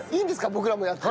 僕らもやって。